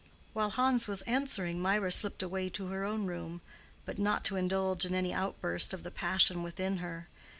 While Hans was answering Mirah slipped away to her own room; but not to indulge in any outburst of the passion within her.